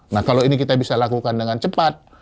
nah kalau ini kita bisa lakukan dengan cepat